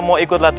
sampai jumpa lagi